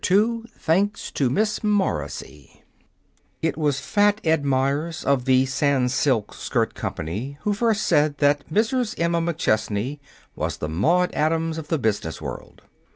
II THANKS TO MISS MORRISSEY It was Fat Ed Meyers, of the Sans Silk Skirt Company, who first said that Mrs. Emma McChesney was the Maude Adams of the business world.